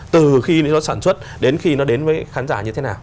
từ khi nó sản xuất đến khi nó đến với khán giả như thế nào